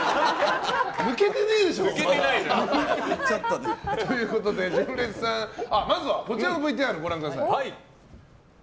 抜けてないでしょ！ということで純烈さん、まずはこちらのＶＴＲご覧ください。